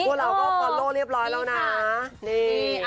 พวกเราก็ฟอลโล่เรียบร้อยแล้วนะนี่